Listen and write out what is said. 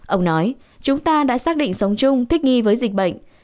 ông nói chúng ta đã xác định sống chung thích nghi với dịch bệnh